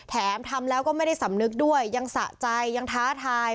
แถมทำแล้วก็ไม่ได้สำนึกด้วยยังสะใจยังท้าทาย